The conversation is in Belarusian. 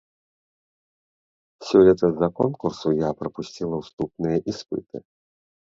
Сёлета з-за конкурсу я прапусціла уступныя іспыты.